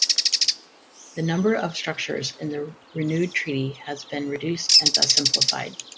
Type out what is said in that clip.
The number of structures in the renewed Treaty has been reduced and thus simplified.